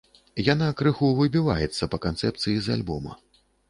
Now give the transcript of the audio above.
Яна крыху выбіваецца па канцэпцыі з альбома.